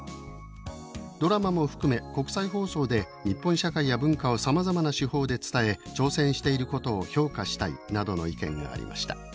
「ドラマも含め国際放送で日本社会や文化をさまざまな手法で伝え挑戦していることを評価したい」などの意見がありました。